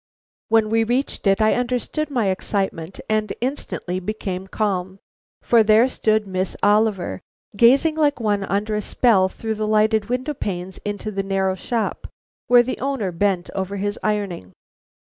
When we reached it I understood my excitement and instantly became calm. For there stood Miss Oliver, gazing like one under a spell through the lighted window panes into the narrow shop where the owner bent over his ironing.